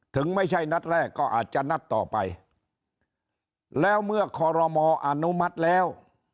ไม่ใช่นัดแรกก็อาจจะนัดต่อไปแล้วเมื่อคอรมออนุมัติแล้ว